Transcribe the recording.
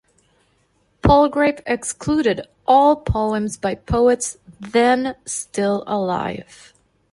Palgrave excluded all poems by poets then still alive.